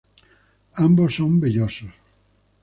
Ambos son vellosos.